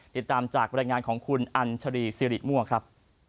ติดตามจากบรรยายงานของคุณอัญชรีสิริมั่วครับ